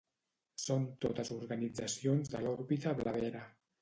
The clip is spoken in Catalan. Són totes organitzacions de l’òrbita blavera.